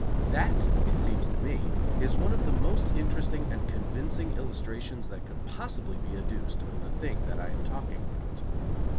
That, it seems to me, is one of the most interesting and convincing illustrations that could possibly be adduced of the thing that I am talking about.